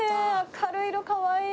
明るい色かわいい！